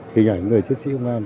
kinh ảnh người chức sĩ công an